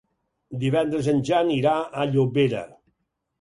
Divendres en Jan irà a Llobera.